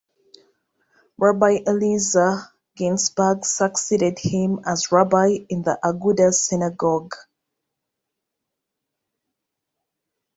Rabbi Eliezer Ginsburg succeeded him as rabbi in the Agudah synagogue.